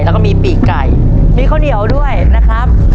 แล้วก็มีปีกไก่มีข้าวเหนียวด้วยนะครับ